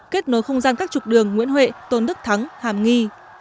kết nối không gian các trục đường nguyễn huệ tôn đức thắng hàm nghi